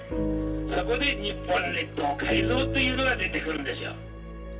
そこで日本列島改造というのが出てくるんですよ。